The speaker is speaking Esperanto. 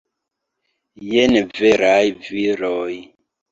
Jen veraj viroj!